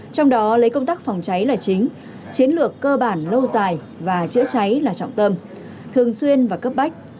trong đó lấy công tác phòng cháy là chính chiến lược cơ bản lâu dài và chữa cháy là trọng tâm thường xuyên và cấp bách